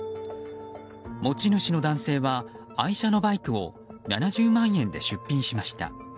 持ち主の男性は愛車のバイクを７０万円で出品しました。